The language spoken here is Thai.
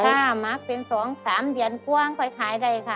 ค่ะหมักเป็นสองสามเดือนกว้างไปขายได้ค่ะ